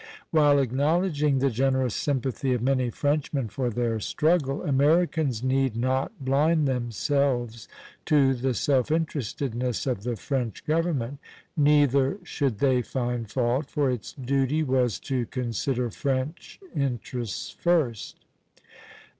" While acknowledging the generous sympathy of many Frenchmen for their struggle, Americans need not blind themselves to the self interestedness of the French government. Neither should they find fault; for its duty was to consider French interests first.